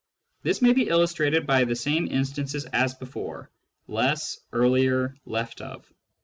This may be illustrated by the same instances as before : less, earlier, left of.